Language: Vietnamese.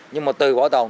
nhưng mà từ bảo tồn